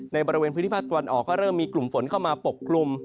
ในบริเวณพื้นที่ภาคตะวันออกก็เริ่มมีกลุ่มฝนเข้ามาปกคลุม